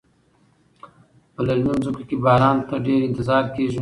په للمي ځمکو کې باران ته ډیر انتظار کیږي.